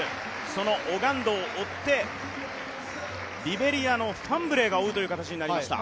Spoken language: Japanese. そのオガンドを追ってリベリアのファンブレーが追うという形になりました。